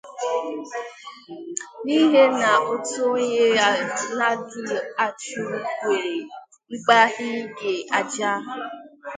n'ihi na otu onye anaghị achụ ngwere mgbahige aja.